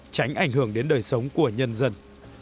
tránh ảnh hưởng đến đời sống của nhân dân